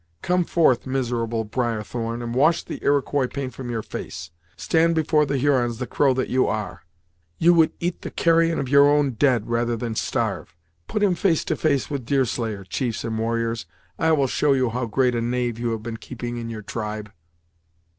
Come forth, miserable Briarthorn, and wash the Iroquois paint from your face; stand before the Hurons the crow that you are. You would eat the carrion of your own dead, rather than starve. Put him face to face with Deerslayer, chiefs and warriors; I will show you how great a knave you have been keeping in your tribe."